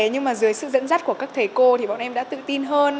nhưng mà dưới sự dẫn dắt của các thầy cô thì bọn em đã tự tin hơn